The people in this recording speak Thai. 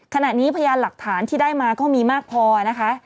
ขณะนี้พยานหลักฐานที่ได้มาก็มีมากพอนะคะ